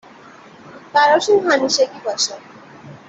براشون همیشگی باشه.